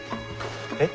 えっ？